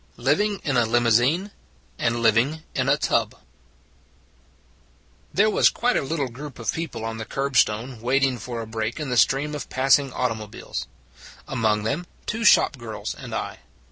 LIVING IN A LIMOUSINE AND LIVING IN A TUB THERE was quite a little group of people on the curb stone, waiting for a break in the stream of passing automo biles: among them two shop girls and I.